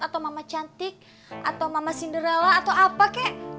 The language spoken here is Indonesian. atau mama cantik atau mama cinderrala atau apa kek